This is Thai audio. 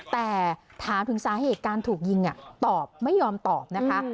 แต่ถามถึงสาเหตุการถูกยิงตอบไม่ยอมตอบนะคะ